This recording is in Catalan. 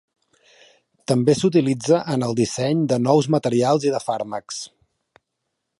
També s'utilitza en el disseny de nous materials i de fàrmacs.